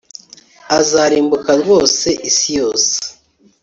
Azarimbuka rwose isi yose